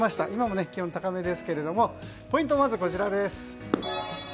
今も気温が高めですがポイントはまず、こちらです。